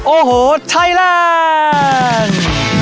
โอ้โหไทยแลนด์